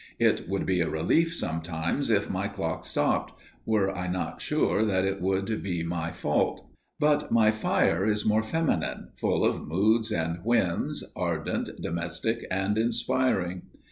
It would be a relief, sometimes, if my clock stopped, were I not sure that it would be my fault. But my fire is more feminine, full of moods and whims, ardent, domestic and inspiring.